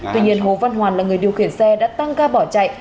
tuy nhiên hồ văn hoàn là người điều khiển xe đã tăng ca bỏ chạy